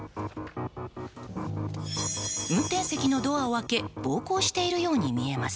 運転席のドアを開け暴行しているように見えます。